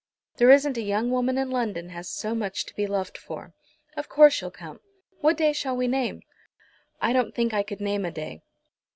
There isn't a young woman in London has so much to be loved for. Of course you'll come. What day shall we name?" "I don't think I could name a day."